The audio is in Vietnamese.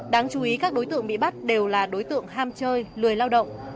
đáng chú ý các đối tượng bị bắt đều là đối tượng ham chơi lười lao động